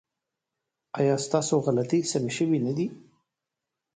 ایا ستاسو غلطۍ سمې شوې نه دي؟